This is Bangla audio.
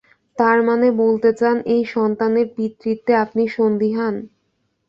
তারমানে, বলতে চান এই সন্তানের পিতৃত্বে আপনি সন্দিহান?